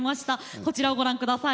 こちらをご覧ください。